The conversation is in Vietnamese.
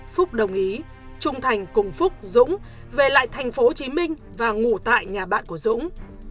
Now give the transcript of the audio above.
phúc đồng ý trung thành cùng phúc dũng về lại thành phố hồ chí minh và ngủ tại nhà bạn của dũng